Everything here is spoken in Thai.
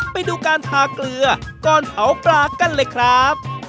ไปดูการทาเกลือก่อนเผาปลากันเลยครับ